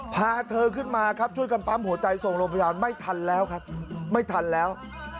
พาเธอขึ้นมาครับช่วยกันปั๊มหัวใจส่งโรงพยาบาลไม่ทันแล้วครับไม่ทันแล้ว